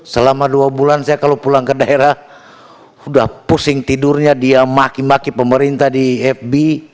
selama dua bulan saya kalau pulang ke daerah sudah pusing tidurnya dia maki maki pemerintah di fb